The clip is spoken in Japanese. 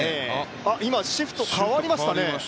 あっ今、シフト変わりましたね。